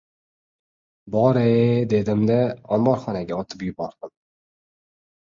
Bor-e, dedim-da, omborxonaga otib yubordim.